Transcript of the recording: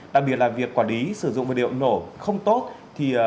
đặc biệt là việc quản lý sử dụng vật liệu nổ không tốt